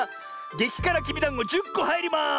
げきからきびだんご１０こはいります！